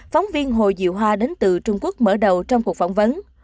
phóng viên hồ diệu hoa đến từ trung quốc mở đầu trong cuộc phỏng vấn